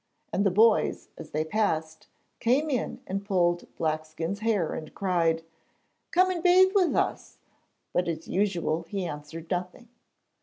And the boys, as they passed, came in and pulled Blackskin's hair, and cried: 'Come and bathe with us,' but as usual he answered nothing.